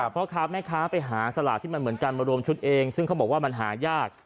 พ่อค้าแม่ค้าไปหาสลากที่มันเหมือนกันมารวมชุดเองซึ่งเขาบอกว่ามันหายาก